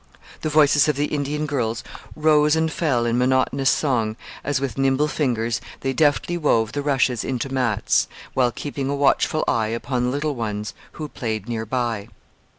The voices of the Indian girls rose and fell in monotonous song as with nimble fingers they deftly wove the rushes into mats, while keeping a watchful eye upon the little ones who played near by.